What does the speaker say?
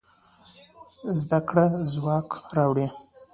زده کړه ځواک راوړي.